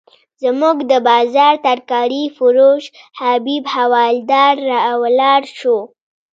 زموږ د بازار ترکاري فروش حبیب حوالدار راولاړ شو.